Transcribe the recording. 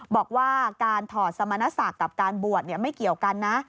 บอกว่าการถอดสมณศักดิ์กับการบวชไม่เกี่ยวกันนะ